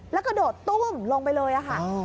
แล้วกระโดดตุ้มลงไปเลยค่ะ